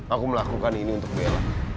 aku melakukan ini untuk bela